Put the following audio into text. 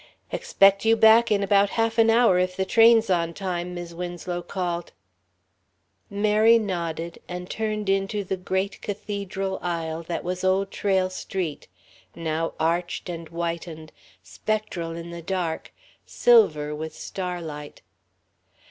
"Expect you back in about half an hour if the train's on time," Mis' Winslow called. Mary nodded, and turned into the great cathedral aisle that was Old Trail Street, now arched and whitened, spectral in the dark, silver with starlight....